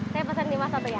saya pesen di mas satu ya